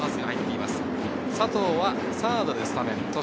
佐藤はサードでスタメン。